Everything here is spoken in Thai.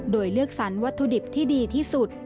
โดยเลือกสรรวัตถุดิบที่ดีที่สุด